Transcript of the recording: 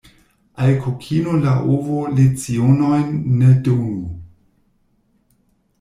Al kokino la ovo lecionojn ne donu.